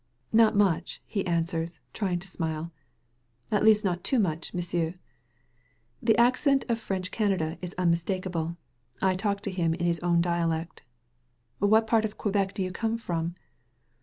"Not much," he answers, trying to smile, "at least not too much, M'sieu'." The accent of French Canada is unmistakable. I talk to him in his own dialect. "What part of Quebec do you come from?'